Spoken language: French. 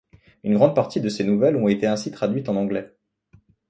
Une grande partie de ses nouvelles ont été ainsi traduites en anglais.